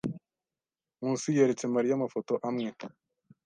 Nkusi yeretse Mariya amafoto amwe.